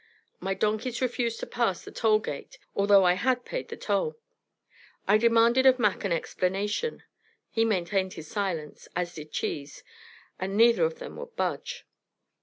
My donkeys refused to pass the toll gate, although I had paid the toll. I demanded of Mac an explanation. He maintained silence, as did Cheese, and neither of them would budge.